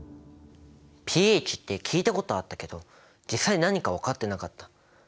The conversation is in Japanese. ｐＨって聞いたことはあったけど実際何か分かってなかった。